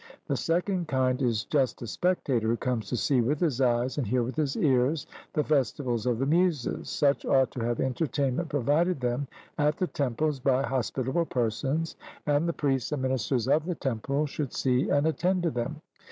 The second kind is just a spectator who comes to see with his eyes and hear with his ears the festivals of the Muses; such ought to have entertainment provided them at the temples by hospitable persons, and the priests and ministers of the temples should see and attend to them.